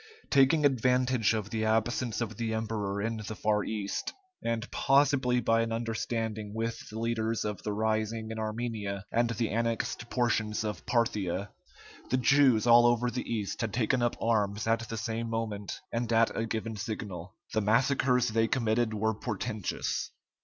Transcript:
Taking advantage of the absence of the emperor in the far East, and possibly by an understanding with the leaders of the rising in Armenia and the annexed portions of Parthia, the Jews all over the East had taken up arms at the same moment, and at a given signal. The massacres they committed were portentous.